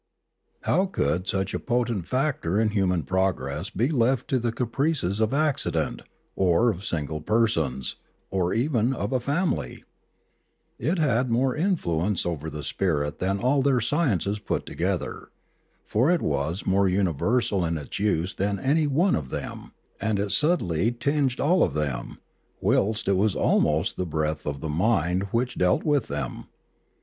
How could such a potent factor in human progress be left to the caprices of accident, or of single persons, or even of a family ? It had more influence over the spirit than all their sciences put together, for it was more universal in its use than any one of them; and it subtly tinged all of them, whilst it was almost the breath of the mind which dealt with them.